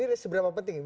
ini seberapa penting